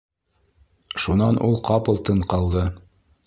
-Шунан ул ҡапыл тын ҡалды.